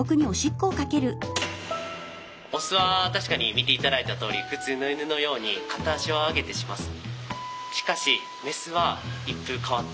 オスは確かに見ていただいたとおり普通の犬のように片足をあげてします。